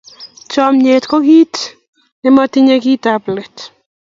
chamiet ko kit nematinye kit ab let